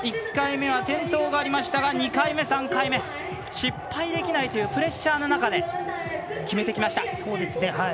１回目は転倒がありましたが２回目、３回目失敗できないというプレッシャーの中で決めてきました。